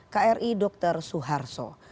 kri dr suharto